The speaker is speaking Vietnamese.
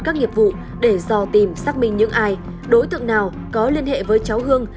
các nghiệp vụ để dò tìm xác minh những ai đối tượng nào có liên hệ với cháu hương